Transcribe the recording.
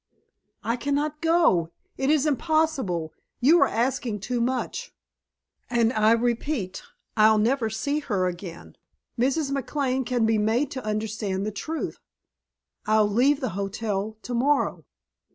"I cannot go. It is impossible. You are asking too much. And, I repeat, I'll never see her again. Mrs. McLane can be made to understand the truth. I'll leave the hotel tomorrow."